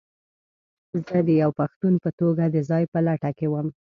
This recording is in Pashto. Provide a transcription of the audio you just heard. زه د یوه پښتون په توګه د ځاى په لټه کې وم.